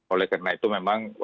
oleh karena itu memang